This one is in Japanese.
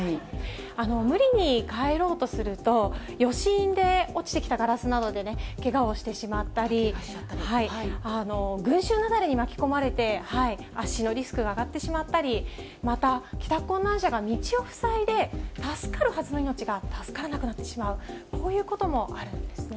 無理に帰ろうとすると、余震で落ちてきたガラスなどでけがをしてしまったり、群衆雪崩に巻き込まれて、圧死のリスクが上がってしまったり、また、帰宅困難者が道を塞いで助かるはずの命が助からなくなってしまう、こういうこともあるんですね。